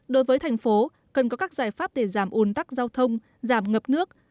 đối với tp hcm cần có các giải pháp để giảm ồn tắc giao thông giảm ngập nước